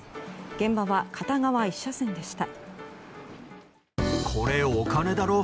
現場は片側１車線でした。